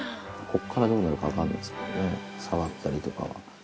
こっからどうなるか分からないですけど、触ったりとかは。